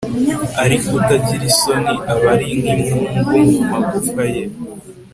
ariko utagira isoni aba ari nk'imungu mu magufa ye